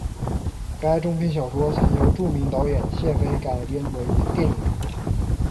该中篇小说曾由著名导演谢飞改编为电影。